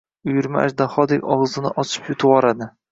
Uyurma ajdahodek og‘zini ochib yutvoradi.